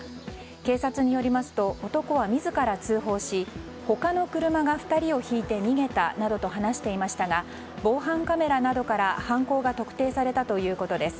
警察によりますと男は自ら通報し他の車が２人をひいて逃げたなどと話していましたが防犯カメラなどから犯行が特定されたということです。